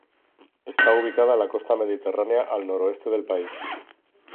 Está ubicada en la costa mediterránea, al noroeste del país.